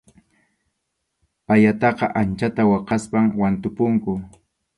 Ayataqa anchata waqaspam wantupunku.